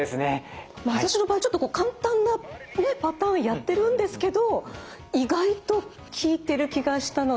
私の場合ちょっと簡単なパターンやってるんですけど意外と効いてる気がしたので。